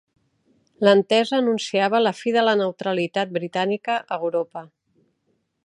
L'entesa anunciava la fi de la neutralitat britànica a Europa.